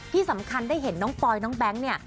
ที่สำคัญได้เห็นน้องปอยน้องแบงค์เนี่ย